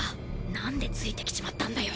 なんでついてきちまったんだよ。